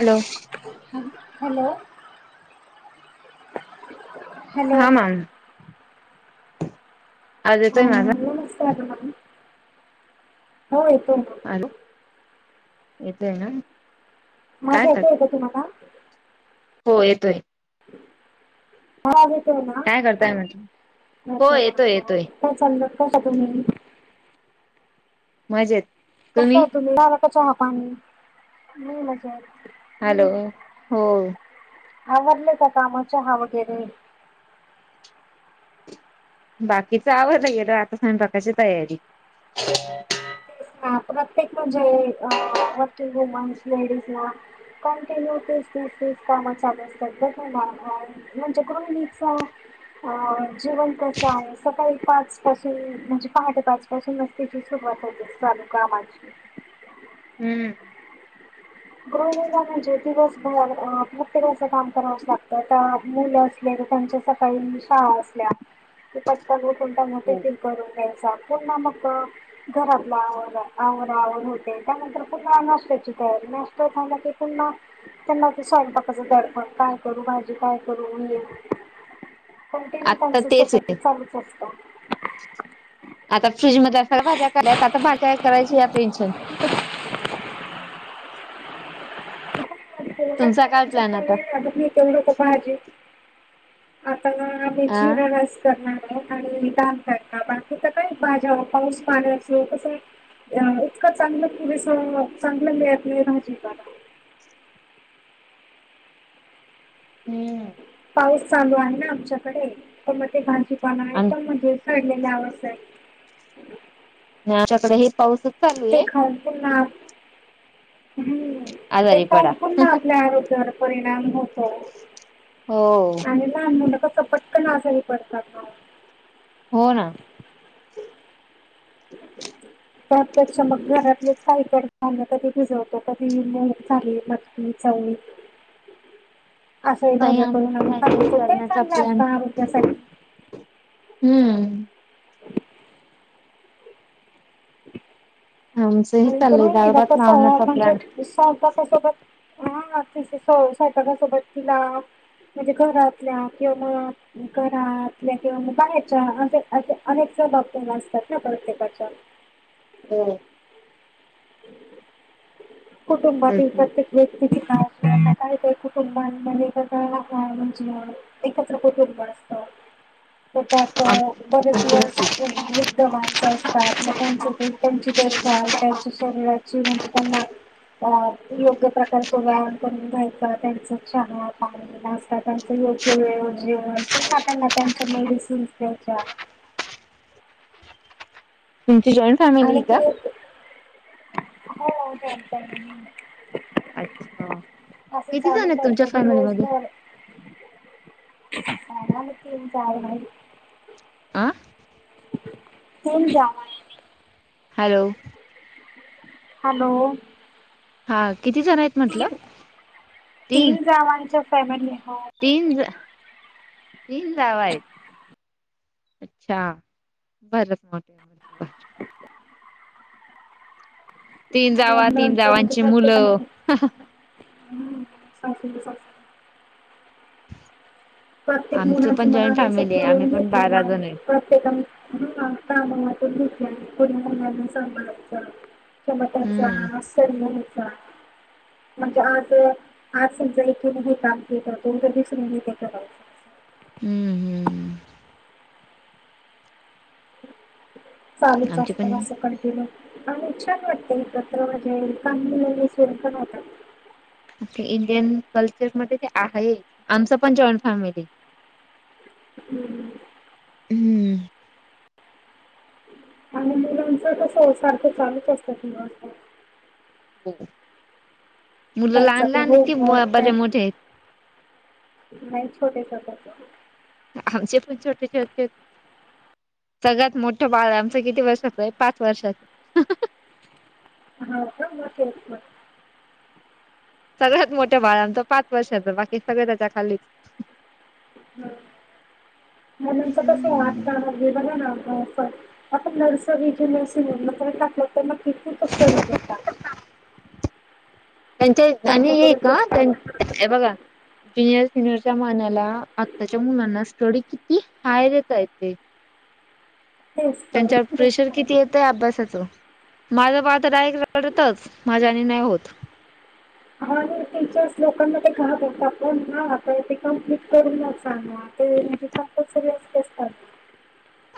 Hello! Hello? Hello हा ma'am, आज येतोय माझा नमस्कार! मॅम, हो येतोना, हॅलो? येतोय ना, माझा येतोय का तुम्हाला? होय येतोय, माझा येतोय ना, काय करताय म्हटलं का हो येतोय चाललंतल येतोय कशा आहात, तुम्ही मजेत कसं होतत तुम्ही, झालं का चहा, पाणी, मी मजेत, हॅलो? हो, आवरली का काम, चहा वगैरे? बाकीचा आवरलं गेल, आता स्वयंपाकाची तयारी. हा प्रत्येक म्हणजे, अ वर्किंग वुमन्स लेडीज ना कंटिन्यू तीच, तीच तसंच काम चालू असतात, ना [unintelligible] म्हणजे गृहिणीचा, अ जीवन कस आहे, सकाळी पाच पासून म्हणजे पहाटे पाच पासून मस्तेची सुरुवात होते चालुकामाची हम्म गृहिणीला म्हणजे दिवसभर प्रत्येकाचं काम करावं लागत मुलं तर त्यांच्या सकाळी शाळा असल्या कि पटकन उठून त्यांना टिफीन करून त्यांच्या पुन्हा मग घरातला आ आवरा आवर होते त्यानंतर पुन्हा नाशत्याची तयारी नाय तो पर्यंत पुन्हा त्यांना ते स्वयंपाकच दडपण काय करू भाजी काय करू ये कंटिन्यू आता त्यांच तेच स्वतःचं आहे चालूच असतं, आता फ्रीज मधल्या सगळ्या भाज्या खाल्यात आता भाज्या काय करायची याचं टेन्शन तुमचा काय ज प्लॅन आता ते लोक पाहिजे आता आम्ही जी अ राला करणार आणि काम करता बाकीच काय भाज्या पाऊस पाण्या अस कसं इतकं चांगलं पुरेस चांगलं मिलेजिक पाऊस चालू आहे ना आमच्याकडे तर मग ते भाांजीपान आहे प म्हणजे ठडलेलं हवं सर आणि आमच्याकडे हे पाऊसच चालू ते आहे खाऊ पु ना ह् ते आजारी का पडा पुन्हा आपल्या आरोग्यावर परिणाम होतो हो आणि मुलं सपट तर आजही पडतात ना हो ना ब प्रत्यक्ष मग घरातले साईकताना कधी भिजवतो कधी ह् चऊ म असे ताई आमचा माझ्याकडून आ खात काहीतरी असतो ते करण्याचा चांगलं प्लॅन का आरोग्यासाठी हम्म [unintelligible] आमचंही आणि चाललंय तरुला दाळभात कस आहे लावण्याचा प्लॅन म्हणच्यात स्वयंपाका सोबत हा ति स्वयंपाका सोबत तिला म्हणजे घरातल्या किंवा म घरातल्या किंवा बायच्या अस असे अनेक बाबत असतात ना प्रत्येकाच्या हम् कुटुंबातील भरपूर प्रत्येक व्यक्ती कुटुंबांमध्येगळ का म्हणजे एकत्र कुटुंब असतं होता बरेच वस वृद्ध माणसं असतात म त्यां त्यांची देखभाल त्यांच्या शरीराची म्हणजे त्यांना अ योग्य प्रकारच व्यायाम करून घ्यायचां त्यांच क्षण पाणी नाचता त्यांचं योग्य व जेवण पुन्हा त्यांना त्यांच्या मेडिसन्स त्याच्या तुमची जॉईंट आणि फॅमिली का? ती हो हो अच्छा असं किती जण चालूच आहेत असत तुमच्या की रोज फॅमिलीमध्ये? भर का त जा आं हो जा हॅलो हॅलो हा किती जण आहेत म्हटलं? तीन तीन गावांच्या फॅमिली ह तीन जा तीन जाव आहेत अच्छा बरच मोठी तीन जावा तीन च म्हणजे जावांची मुलं प्रत्येकाने सां स प्रत्येक आमचं मुनाच पण मना जॉईंट व अस फॅमिली आहे आम्ही ठेळून पण घेतलेला बारा आहे जण प्रत्येकाने ह का मला पण घेतल्या पुढ मुलांना सांगाच हम्म चमटांचा सरमणीचा म्हणजे आज आज समजा इथे काम घ दो ज दिवसून ह हम्म हम्म चालू आमचे असत पण अससं कनटीन्यू अ छान वाटते इकत्र म्हणजे का मुी सर पण होत इंडियन कल्चरमध्ये ते आहे आमच पण जॉईंट फॅमिली हम्म हम्म हा च त सारखं चालूच असतात हो मुलं त्यांचा लहान ते लहान आहेत की होमवर्क त्या बर्या मोठे आहेत नाही छोटे छोट आमचे पण छोटे छोटते सगळ्यात मोठं बाळ आमचं किती वर्षलंय पाच वर्षाच हा का म म सगळ्यात मोठं बाळ आमचं पाच वर्षाच बाकी सगळे त्याच्या खालीच ह म्हच कस वाट बघ ना आ नर्स नस टाकलं तर मग तथूचचरीात त्यांचे आणि त्यांच्याकडे एक तो का त्यां बघा जुनियर सिनियरच्या मानाला आत्ताच्या मुलांना स्टडी किती ती हायरेतयेते तेच प्रेशर किती येतंय अभ्यासाचं माझं पाात एकक रडतच माझ्या आणि नाहीय होत [inaudible] हा आणि टीचर्स लोकांमध्ये घाततात पण ह आता ते कमप्लीट करून सांगणार ते म्हणजे कप सग असते असतात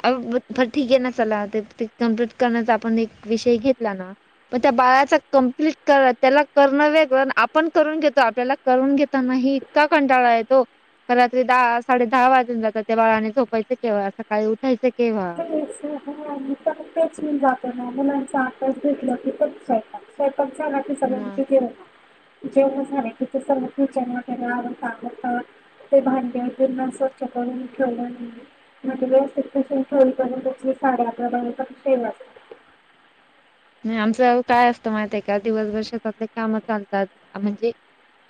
अर ठीक आहे ना चला ते ते कम्प्लीट करण्याचा आपण एक विषय घेतला ना मग त्या बाळाचा कमप्लीट क त्याला करणं वेगळं आपण करून घेतो आपल्याला करून घेत नाहीत का कंटाळा येतो का रात्री दहा साडे दहा वाजून जातात त्या बाळाने झोपायच केव्हा सकाळी उ खासकेव तेच तेच म जातो ना मुलांचा आकास भटलं की स्वयक स्वयंपाक मग सगळ जेवढ झाले कि ज कात ते भांड प स्वच्छ करून ठेवलं म्हट असरीर् साडी्या आपल्या बघव फेम नाही आमचं काय असतं माहिित आहे का दिवसभर शेतातले काम चालतात म्हणजे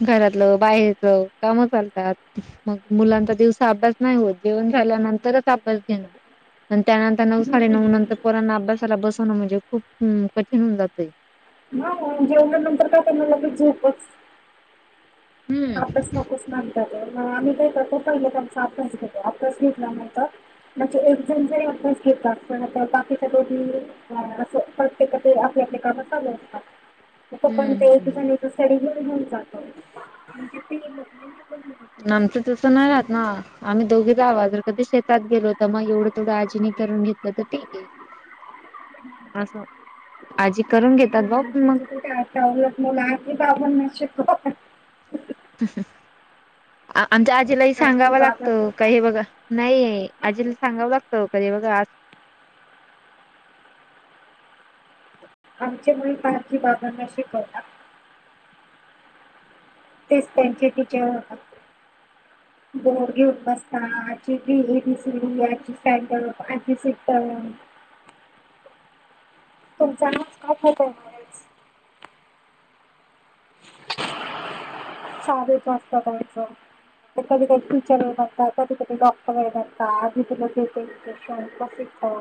घरातलं बाहेरच काम चालतात मग मुलांचा दिवसा अभ्यास नाही हो जेवण झाल्यानंतरच अस घेणं आणि त्यानंतर नऊ साडे हम्म. नऊ नंतर पोरना अभ्यासाला बसवणं म्हणजे खूप कठीण होन जातय ह जेवल्यानंतर काय त्यां मलाी झोपच हम्म अभ्यास नकोचतात मग आम्ही काही करतो पहि आमचा अभ्यास घेतो अभ्यास निटल्यानंतर म्हणजे एक जण जरी अभ्यास घेतात पण आता बाकी सगळं ते आप आपल्या कामात चालू असतात पण ते एक हम्म. जण सडी घेऊन घेऊन जात म्हणजे ते नमचं तसं नाही राहत ना आम्ही दोघेचा आवाज कधी शेतात गेलो होता मग एवढं तेथवढं आजीनी करून घेतलं तर ठीक आहे असं आजी करून घेतात भाऊ पण मग आपण ख आमच्या आजीलाही आणखी सांगावं बाबांना लागतं का हे बघा नाही आजीला सांगावं लागतं कधी बघा आमचे मु पाखी बागांना शिकवतात तेच थँक्यू टीचर बोड घेऊन बसतास आची सॅडप आची सि्ट त जाण का होत साधेच वा असतात त्यांचं ते कधी कधी टीचर आहे नत कधी कधी डॉक्टर आहे म्हणता आधी तुला ते श प्रसिद्ध